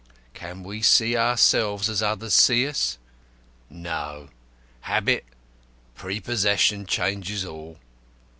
Can we see ourselves as others see us? No; habit, prepossession changes all.